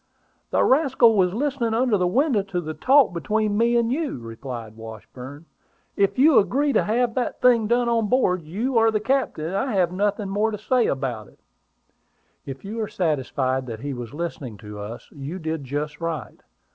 "The rascal was listening under that window to the talk between you and me," replied Washburn. "If you agree to have that thing done on board, you are the captain, and I have nothing more to say about it." "If you are satisfied that he was listening to us, you did just right.